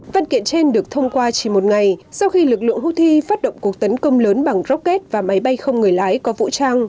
văn kiện trên được thông qua chỉ một ngày sau khi lực lượng houthi phát động cuộc tấn công lớn bằng rocket và máy bay không người lái có vũ trang